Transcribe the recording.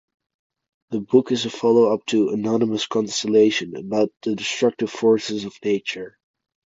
The book is a follow-up to "Anonymous Constellation", about the destructive forces of nature.